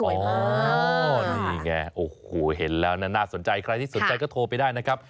โอ้โหนี่ไงโอ้โหเห็นแล้วน่าสนใจใครที่สนใจก็โทรไปได้นะครับ